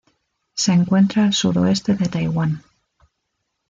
Se encuentra al suroeste de Taiwán.